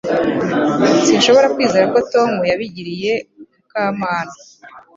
Sinshobora kwizera ko Tom yabigiriye Mukamana